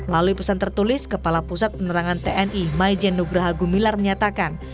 lalu pesan tertulis kepala pusat penerangan tni maijen nugraha gumilar menyatakan